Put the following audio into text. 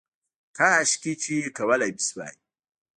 کاشکې چې کولی مې شوای